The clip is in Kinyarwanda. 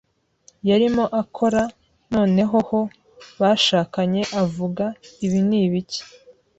yarimo akora, “Noneho ho, bashakanye!” avuga. “Ibi ni ibiki?”